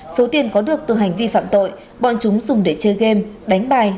số tiền có được từ hành vi phạm tội bọn chúng dùng để chơi game đánh bài